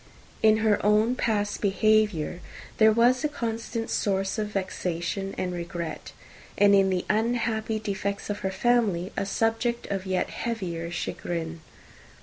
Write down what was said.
In her own past behaviour, there was a constant source of vexation and regret: and in the unhappy defects of her family, a subject of yet heavier chagrin.